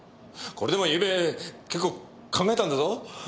これでもゆうべ結構考えたんだぞ。